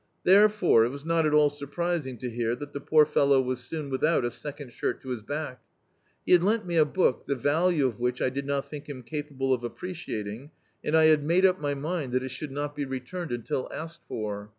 Therefore, it was not at all surprising to hear that the poor fellow was soon without a second shirt to his back. He had lent me a book, the value of whidi I did not think him capable of appreciating, and I had made up my mind that it should not be D,i.,.db, Google Thieves returned until asked for.